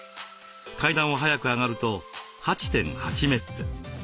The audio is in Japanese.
階段を速く上がると８．８メッツ。